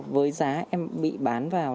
với giá em bị bán vào